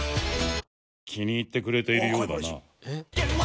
気に入ってくれているようだな。